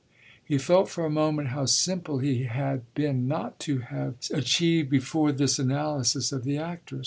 He felt for a moment how simple he had been not to have achieved before this analysis of the actress.